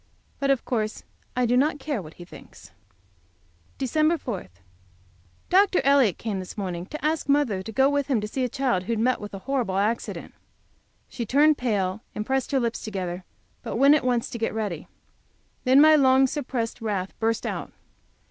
But, of course, I do not care what he thinks. Dec. 4. Dr. Elliott came this morning to ask mother to go with him to see a child who had met with a horrible accident. She turned pale, and pressed her lips together, but went at once to get ready. Then my long suppressed wrath burst out.